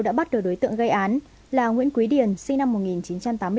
đã bắt được đối tượng gây án là nguyễn quý điền sinh năm một nghìn chín trăm tám mươi bốn